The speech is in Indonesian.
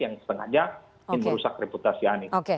yang sengaja ini merusak reputasi anies